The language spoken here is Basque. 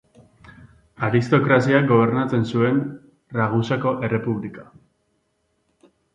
Aristokraziak gobernatzen zuen Ragusako Errepublika.